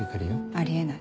あり得ない。